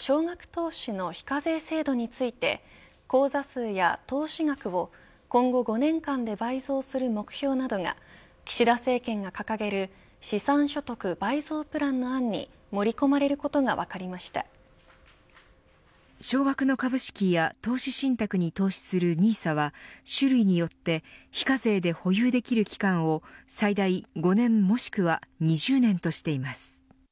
少額投資の非課税制度について口座数や投資額を今後５年間で倍増する目標などが岸田政権が掲げる資産所得倍増プランの案に盛り込まれることが小額の株式や投資信託に投資するＮＩＳＡは種類によって非課税で保有できる期間を最大５年もしくは２０年としています。